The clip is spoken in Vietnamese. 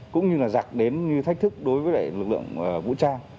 cũng như là giặc đến như thách thức đối với lực lượng vũ trang